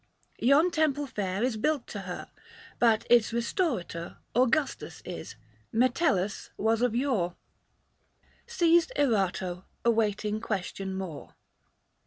Yon temple fair He built to her, but its restorator Augustus is : Metellus was of yore." Ceased Erato, awaiting question more.